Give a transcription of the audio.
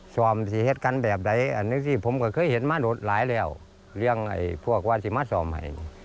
ซ่อมสิเหตุการณ์แบบไหนอันนี้สิผมก็เคยเห็นมาโนดหลายแล้วเรื่องไอ้พวกวาสิมาสอบใหม่